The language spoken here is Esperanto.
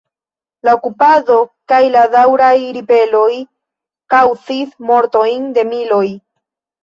La okupado kaj la daŭraj ribeloj kaŭzis mortojn de miloj.